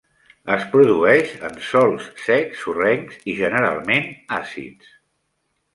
Es produeix en sòls secs, sorrencs i generalment àcids.